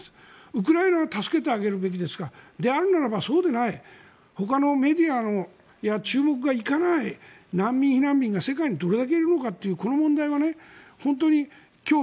ウクライナは助けてあげるべきですがであるならばそうでないほかのメディアの注目がいかない難民、避難民が世界にどれだけいるのかというこの問題は、本当に今日